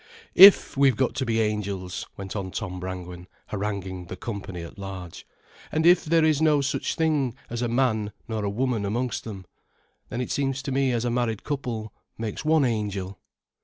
"If we've got to be Angels," went on Tom Brangwen, haranguing the company at large, "and if there is no such thing as a man nor a woman amongst them, then it seems to me as a married couple makes one Angel."